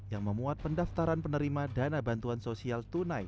yang memuat pendaftaran penerima dana bantuan sosial tunai